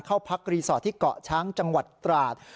เข้าพักรีสอร์ทที่เกาะช้างจังหวัดตราด